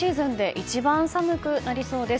一番寒くなりそうです。